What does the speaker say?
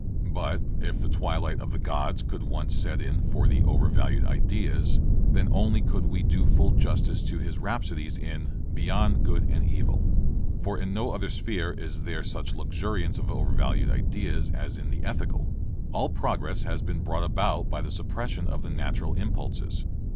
But if the twilight of Gods could once set in for the overvalued ideas then only could we do full justice to his rhapsodies in "Beyond Good and Evil." For in no other sphere is there such luxuriance of overvalued ideas as in the ethical. All progress has been brought about by the suppression of the natural impulses.